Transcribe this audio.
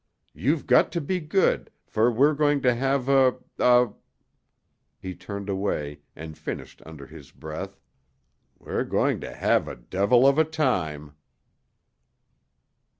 "You've got to be good, for we're going to have a a " He turned away, and finished under his breath. "We're going to have a devil of a time!"